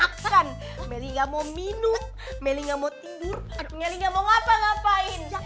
mau makan melih gak mau minum melih gak mau tidur melih gak mau ngapa ngapain